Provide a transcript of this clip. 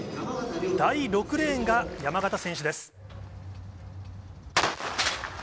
第６レーンが山縣選手です。